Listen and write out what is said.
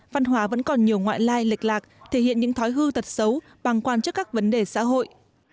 văn hóa vẫn còn nhiều ngoại lai lệch lạc thể hiện những thói hư thật xấu bằng quan trước các vấn đề xã hội